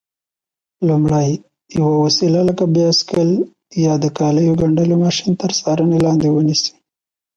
لومړی: یوه وسیله لکه بایسکل یا د کالیو ګنډلو ماشین تر څارنې لاندې ونیسئ.